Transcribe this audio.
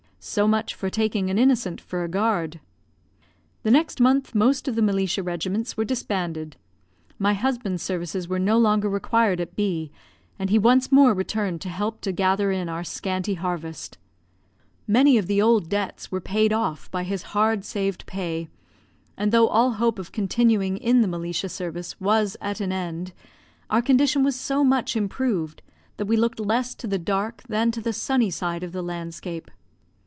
So much for taking an innocent for a guard. The next month most of the militia regiments were disbanded. My husband's services were no longer required at B , and he once more returned to help to gather in our scanty harvest. Many of the old debts were paid off by his hard saved pay; and though all hope of continuing in the militia service was at an end, our condition was so much improved that we looked less to the dark than to the sunny side of the landscape.